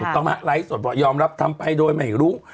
ก็มาไล่สดป่อยอมรับทำไปโดยไม่รู้